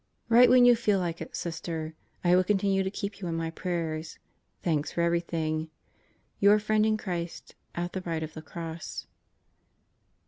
Write when you feel like it, Sister. I will continue to keep you in my prayers. Thanks for everything. Your friend in Christ at the right of the Cross.